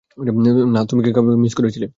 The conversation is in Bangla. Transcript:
না তুমি কি কাউকে কিস করেছিলে?